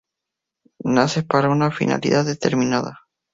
Nace para una finalidad determinada.